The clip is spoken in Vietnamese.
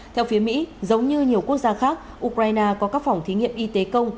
theo phía mỹ giống như nhiều quốc gia khác ukraine có các phòng thí nghiệm y tế công